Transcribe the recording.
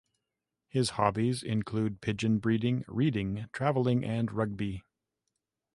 His hobbies include pigeon breeding, reading, travelling and rugby.